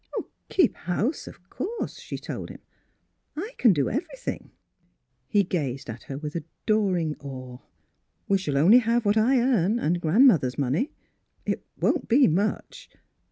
"" Keep house, of course," she told him. " I can do everything." He gazed at her with adoring awe. *' We shall only have what I earn and grandmother's money. It won't be much.